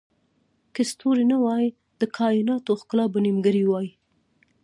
که ستوري نه وای، د کایناتو ښکلا به نیمګړې وای.